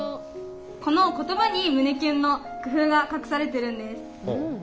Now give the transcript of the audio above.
この言葉に胸キュンの工夫が隠されてるんです。